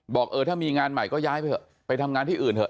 บอกเออถ้ามีงานใหม่ก็ย้ายไปเถอะไปทำงานที่อื่นเถอ